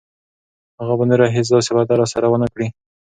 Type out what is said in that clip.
هغه به نوره هیڅ داسې وعده راسره ونه کړي.